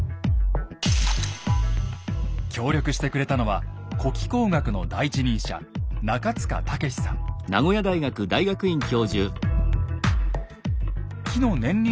協力してくれたのは古気候学の第一人者中塚武さん。